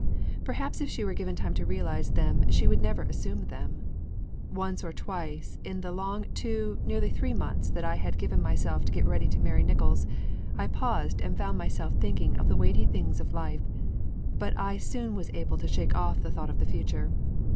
Perhaps if she were given time to realize them she would never assume them. Once or twice in the long two, nearly three months that I had given myself to get ready to marry Nickols, I paused and found myself thinking of the weighty things of life, but I soon was able to shake off the thought of the future.